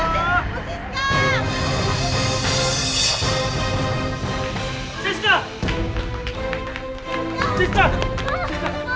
mungkin selama hidupnya bu sista suka berumkah dua